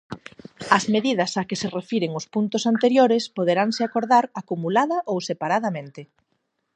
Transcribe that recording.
As medidas a que se refiren os puntos anteriores poderanse acordar acumulada ou separadamente.